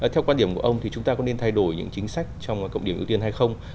theo quan điểm của ông thì chúng ta có nên thay đổi những chính sách trong cộng điểm ưu tiên hay không